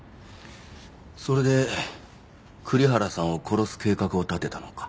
それで栗原さんを殺す計画を立てたのか？